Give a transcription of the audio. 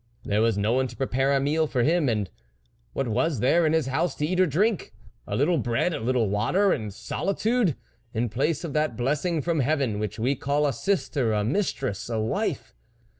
There was no one to prepare a meal for him ; and what was there in his house to eat or drink ? A little bread ! a little water ! and solitude ! in place of that blessing from heaven which we call a sister, a mis tress, a wife.